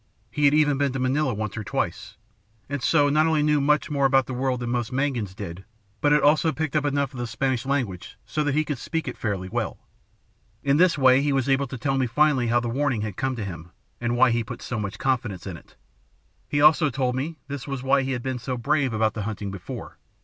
He had even been to Manila once or twice, and so not only knew much more about the world than most Mangyans did, but had also picked up enough of the Spanish language so that he could speak it fairly well. In this way he was able to tell me, finally, how the 'warning' had come to him, and why he put so much confidence in it. He also told me this was why he had been so brave about the hunting before.